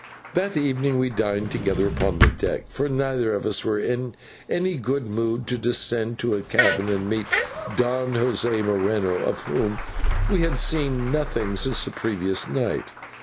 That evening we dined together upon deck; for neither of us were in any good mood to descend to the cabin and meet Don José Moreno, of whom we had seen nothing since the previous night.